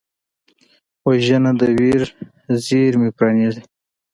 وژنه د ویر زېرمې پرانیزي